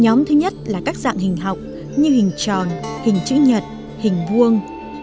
nhóm thứ nhất là các dạng hình học như hình tròn hình chữ nhật hình vuông